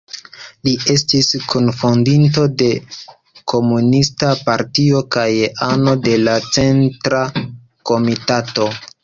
Li estis kunfondinto de komunista partio kaj ano de la centra komitato.